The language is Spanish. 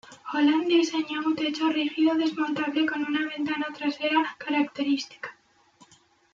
Holland diseñó un techo rígido desmontable con una ventana trasera característica.